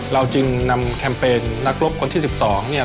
เราจึงนำแคมเปญนักรบคนที่๑๒เนี่ย